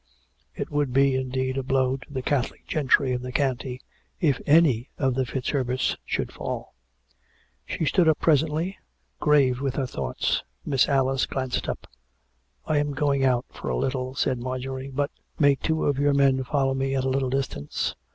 It would be, indeed, a blow to the Catholic gentry of the county, if any of the FitzHerberts should fall! She stood up presently, grave with her thoughts. Mis tress Alice glanced up. " I am going out for a little," said Marjorie. " But " "May two of your men follow me at a little distance?